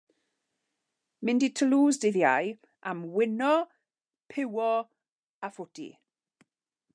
Mynd i Toulouse dydd Iau am wino, piwo a ffwti.